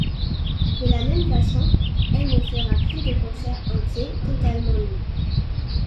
De la même façon, elle ne fera plus de concert entier totalement nue.